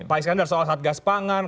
pak iskandar soal satgas pangan